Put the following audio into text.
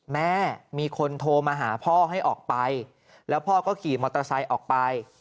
แม่มีคนโทรมาหาพ่อให้ออกไปแล้วพ่อก็ขี่มอเตอร์ไซค์ออกไป